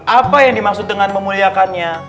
apa yang dimaksud dengan memuliakannya